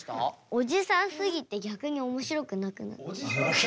おじさんすぎて逆におもしろくなくなった。